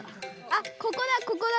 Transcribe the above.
あっここだここだ！